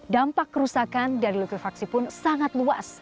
dampak kerusakan dari likuifaksi pun sangat luas